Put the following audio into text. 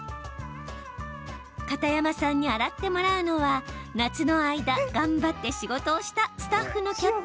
片山さんに洗ってもらうのは夏の間、頑張って仕事をしたスタッフのキャップ。